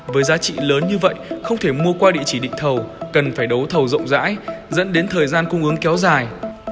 với giá trị lớn như vậy không thể mua qua địa chỉ định thầu cần phải đấu thầu rộng rãi dẫn đến thời gian cung ứng kéo dài